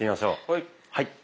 はい。